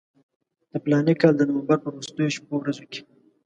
د فلاني کال د نومبر په وروستیو شپو ورځو کې.